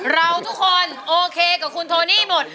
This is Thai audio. เราทุกคนโอเคกับคุณโทนี่หมด